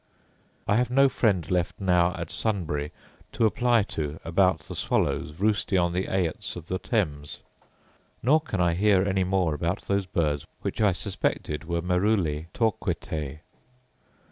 I have no friend left now at Sunbury to apply to about the swallows roosting on the aits of the Thames: nor can I hear any more about those birds which I suspected were merulae torquatae.